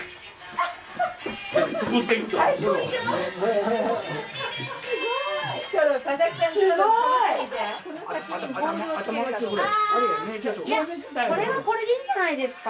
あいやこれはこれでいいんじゃないですか。